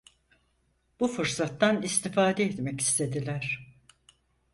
Bu fırsattan istifade etmek istediler.